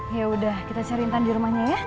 yaudah kita cari intan di rumahnya ya